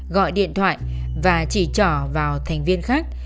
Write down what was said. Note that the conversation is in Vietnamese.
gọi điện thoại và chỉ trỏ vào thành viên khác